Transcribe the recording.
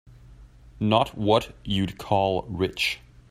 Not what you'd call rich.